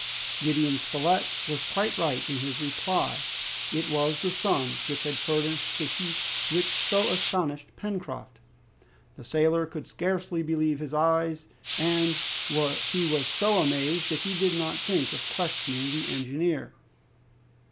Gideon Spilett was quite right in his reply. It was the sun which had furnished the heat which so astonished Pencroft. The sailor could scarcely believe his eyes, and he was so amazed that he did not think of questioning the engineer.